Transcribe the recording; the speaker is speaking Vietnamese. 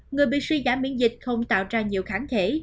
người bị suy giảm miễn dịch không tạo ra nhiều kháng thể